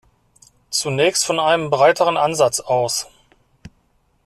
Zunächst von einem breiteren Ansatz aus.